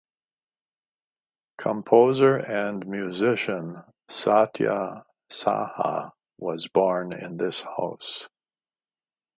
Composer and Musician Satya Saha was born in this house.